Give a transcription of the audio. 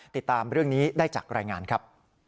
ติดตามเรื่องนี้ได้จากรายงานครับ